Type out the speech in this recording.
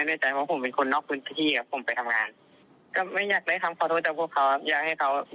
อยากให้เขาโดนทางกฎหมายแต่ปกติเลยครับ